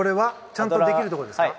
ちゃんとできるところですか。